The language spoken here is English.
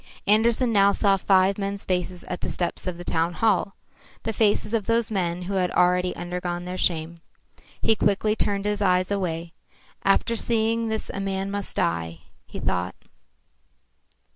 Andersen now saw five men's faces at the steps of the town hall, the faces of those men who had already undergone their shame. He quickly turned his eyes away. After seeing this a man must die, he thought.